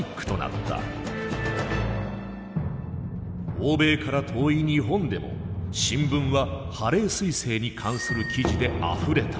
欧米から遠い日本でも新聞はハレー彗星に関する記事であふれた。